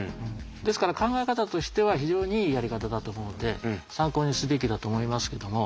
ですから考え方としては非常にいいやり方だと思うんで参考にすべきだと思いますけども。